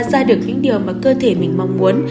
ra được những điều mà cơ thể mình mong muốn